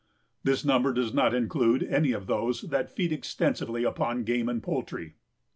This number does not include any of those that feed extensively upon game and poultry.